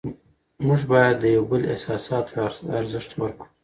موږ باید د یو بل احساساتو ته ارزښت ورکړو